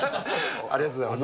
ありがとうございます。